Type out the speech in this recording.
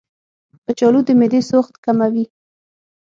کچالو د معدې سوخت کموي.